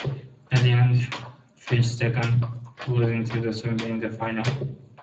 At the end, Puerto Rico finished second, losing to Slovenia in the finals.